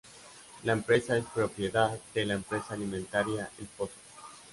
La empresa es propiedad de la empresa alimentaria ElPozo.